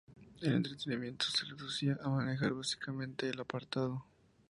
El entrenamiento se reducía a manejar básicamente el aparato.